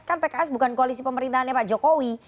kan pks bukan koalisi pemerintahnya pak jokowi